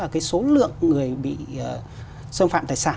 cái số lượng người bị xâm phạm tài sản